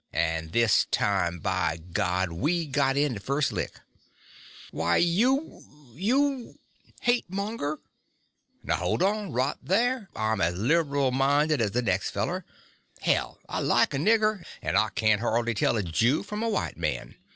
And this time, by God, we got in the first lick!" "Why you ... you ... hate monger!" "Now, hold on right there. I'm as liberal minded as the next feller. Hell, I like a nigger and I can't hardly tell a Jew from a white man.